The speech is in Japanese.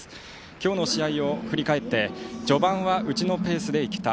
今日の試合を振り返って序盤はうちのペースでいけた。